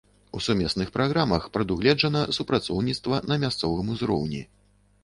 У сумесных праграмах прадугледжана супрацоўніцтва на мясцовым узроўні.